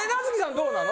どうなの？